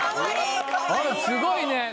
すごいね。